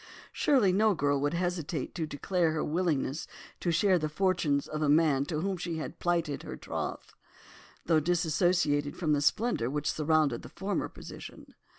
Surely no girl would hesitate to declare her willingness to share the fortunes of a man to whom she had plighted her troth, though dissociated from the splendour which surrounded the former position.